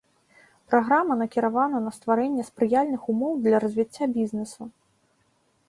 Праграма накіравана на стварэнне спрыяльных умоў для развіцця бізнесу.